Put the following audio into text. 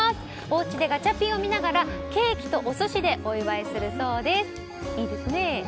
おうちでガチャピンを見ながらケーキとお寿司でお祝いするそうです。